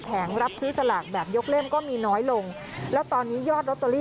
ค่าตกมากทีเดียวนะคะต่อเลมมันตกเยอะหรอ